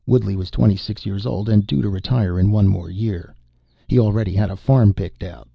Woodley was twenty six years old and due to retire in one more year. He already had a farm picked out.